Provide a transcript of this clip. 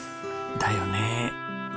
だよね。